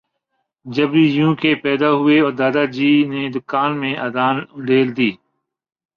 جبری یوں کہ پیدا ہوئے اور دادا جی نے کان میں اذان انڈیل دی